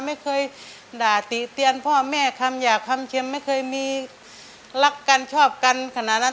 ไม่เคยด่าติเตียนพ่อแม่คำหยาบคำเชียมไม่เคยมีรักกันชอบกันขนาดนั้น